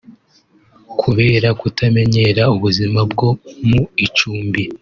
Kubera kutamenyera ubuzima bwo mu icumbi